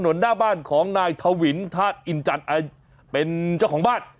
หน้าบ้านของนายทวินธาตุอินจันทร์เป็นเจ้าของบ้าน